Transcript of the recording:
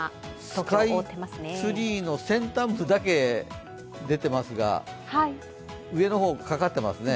スカイツリーの先端部だけ出てますが上の方かかってますね。